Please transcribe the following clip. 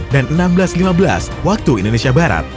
dan enam belas lima belas waktu indonesia barat